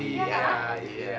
oh ini dia